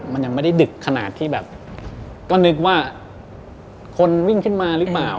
มันยังไม่ได้ดึกขนาดที่แบบก็นึกว่าคนวิ่งขึ้นมาหรือเปล่า